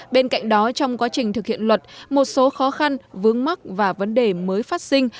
bên cạnh đó trong quá trình thực hiện luật một số khó khăn vướng mắc và vấn đề mới phát sinh